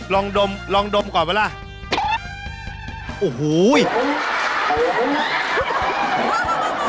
ลองดมลองดมก่อนเวลาโอ้โห